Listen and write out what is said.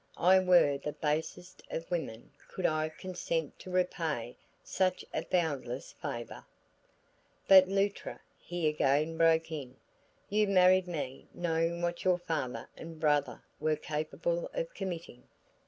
I were the basest of women could I consent to repay such a boundless favor " "But Luttra," he again broke in, "you married me knowing what your father and brother were capable of committing."